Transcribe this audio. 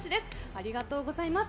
ありがとうございます。